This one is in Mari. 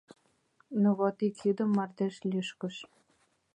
— Ну, вот — ик йӱдым мардеж лӱшкыш...